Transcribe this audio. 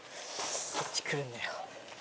こっち来るんだよ。